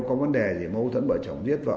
có vấn đề gì mà mâu thuẫn bà chồng giết vợ